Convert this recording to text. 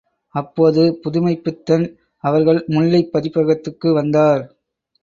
அப்போது புதுமைப்பித்தன் அவர்கள் முல்லைப் பதிப்பகத்துககு வந்தார்.